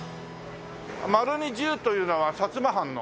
丸に十というのは摩藩の。